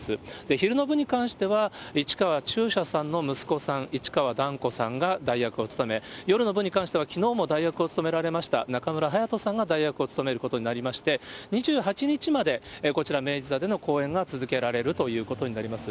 昼の部に関しては、市川中車さんの息子さん、市川團子さんが代役を務め、夜の部に関しては、きのうも代役を務められました中村隼人さんが代役を務めることになりまして、２８日まで、こちら明治座での公演が続けられるということになります。